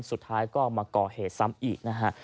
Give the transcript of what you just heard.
สุดท้ายก็มาก่อเหตุซ้ำอีกนะฮะ